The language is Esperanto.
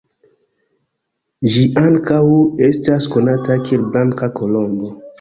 Ĝi ankaŭ estas konata kiel "Blanka Kolombo".